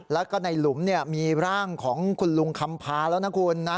แล้วก็ในหลุมมีร่างของคุณลุงคำพาแล้วนะคุณนะ